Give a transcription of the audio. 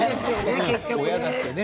親だってね。